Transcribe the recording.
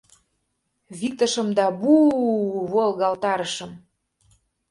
Виктышым да бу-у... — волгалтарышым.